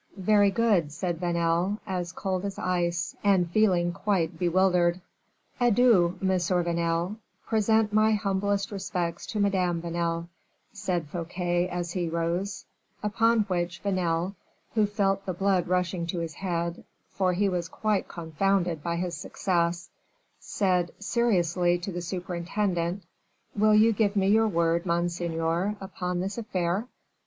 "Very good," said Vanel, as cold as ice, and feeling quite bewildered. "Adieu, Monsieur Vanel, present my humblest respects to Madame Vanel," said Fouquet, as he rose; upon which Vanel, who felt the blood rushing to his head, for he was quite confounded by his success, said seriously to the superintendent, "Will you give me your word, monseigneur, upon this affair?"